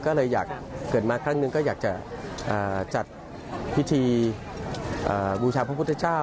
ก็เลยอยากเกิดมาครั้งหนึ่งก็อยากจะจัดพิธีบูชาพระพุทธเจ้า